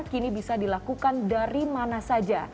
kini bisa dilakukan dari mana saja